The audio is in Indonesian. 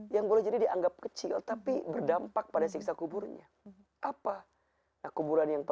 yang boleh jadi dianggap kecil tapi berdampak pada siksa kuburnya